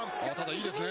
いいですね。